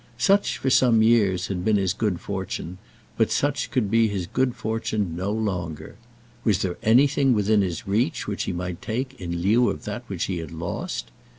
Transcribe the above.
Such for some years had been his good fortune, but such could be his good fortune no longer. Was there anything within his reach which he might take in lieu of that which he had lost?